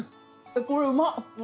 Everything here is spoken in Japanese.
これうまっ！